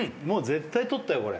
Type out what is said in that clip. もう絶対取ったよ